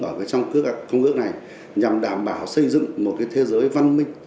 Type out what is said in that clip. ở trong các công ước này nhằm đảm bảo xây dựng một thế giới văn minh